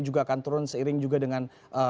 juga akan turun seiring juga dengan